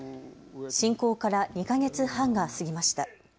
侵攻から２か月半が過ぎました。